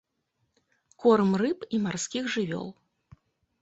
Корм рыб і марскіх жывёл.